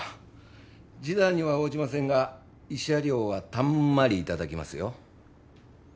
示談には応じませんが慰謝料はたんまり頂きますよ。